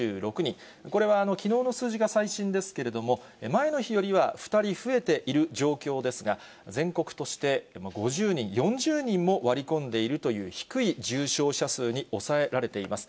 これはきのうの数字が最新ですけれども、前の日よりは２人増えている状況ですが、全国として５０人、４０人も割り込んでいるという、低い重症者数に抑えられています。